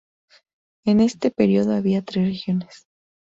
En este periodo había tres regiones.